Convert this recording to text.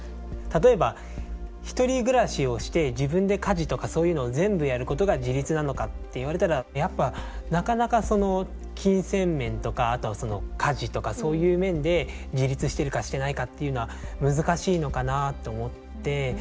例えば１人暮らしをして自分で家事とかそういうのを全部やることが自立なのかって言われたらやっぱなかなかその金銭面とかあとはその家事とかそういう面で自立してるかしてないかっていうのは難しいのかなと思って。